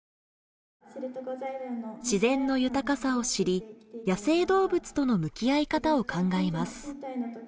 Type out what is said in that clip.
自然の豊かさを知り野生動物との向き合い方を考えます。